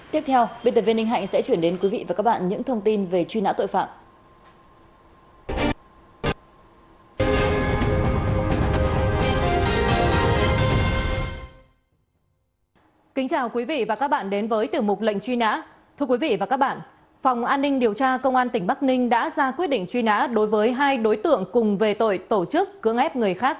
tiếp theo bên tập viên ninh hạnh sẽ chuyển đến quý vị và các bạn những thông tin về truy nã tội phạm